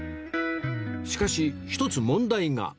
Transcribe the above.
しかし１つ問題が